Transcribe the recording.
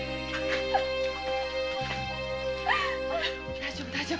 大丈夫大丈夫。